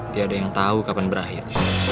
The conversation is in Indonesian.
tiada yang tahu kapan berakhir